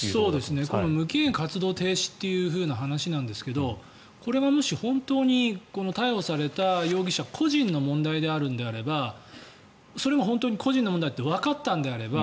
この無期限活動停止ということなんですがこれがもし本当に逮捕された容疑者個人の問題であるのであればそれが本当に個人の問題とわかったのであれば